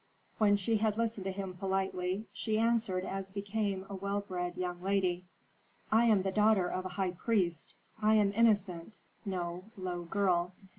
When she had listened to him politely, she answered as became a well bred young lady, "'I am the daughter of a high priest; I am innocent, no low girl.